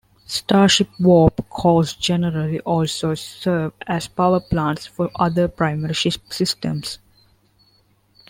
Starship warp cores generally also serve as powerplants for other primary ship systems.